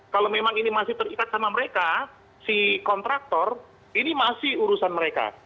kalau memang ini masih terikat sama mereka si kontraktor ini masih urusan mereka